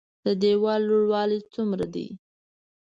د ديوال لوړوالی څومره ده؟